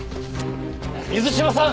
水島さん！